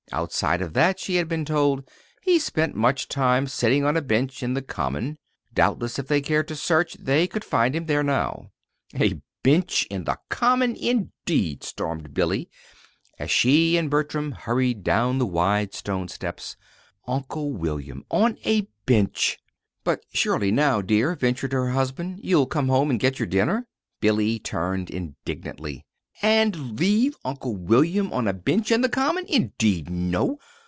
Outside of that, she had been told, he spent much time sitting on a bench in the Common. Doubtless, if they cared to search, they could find him there now. "A bench in the Common, indeed!" stormed Billy, as she and Bertram hurried down the wide stone steps. "Uncle William on a bench!" "But surely now, dear," ventured her husband, "you'll come home and get your dinner!" Billy turned indignantly. "And leave Uncle William on a bench in the Common? Indeed, no!